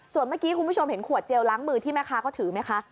ส่วนเมื่อกี้คุณผู้ชมเห็นขวดเจลล้างมือที่แม่ค้าเขาถือไหมคะ